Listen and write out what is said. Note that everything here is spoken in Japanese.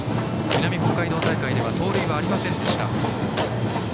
南北海道大会では盗塁はありませんでした。